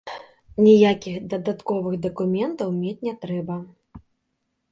Ніякіх дадатковых дакументаў мець не трэба.